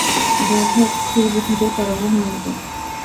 বোধহয় স্থির বিদ্যুতের কারণে হয় এটা।